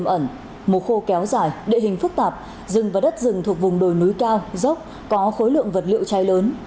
ẩm mùa khô kéo dài địa hình phức tạp rừng và đất rừng thuộc vùng đồi núi cao dốc có khối lượng vật liệu cháy lớn